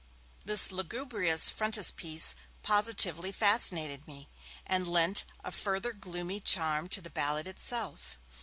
This lugubrious frontispiece positively fascinated me, and lent a further gloomy charm to the ballad itself.